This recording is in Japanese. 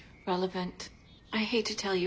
ああ。